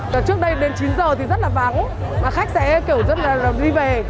trước đây đến chín giờ thì rất là vắng mà khách sẽ kiểu rất là đi về